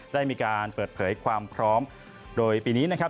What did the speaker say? ได้มีการเปิดเผยความพร้อมโดยปีนี้นะครับ